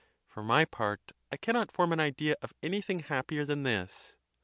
For my part, I cannot form an idea of anything happier than this.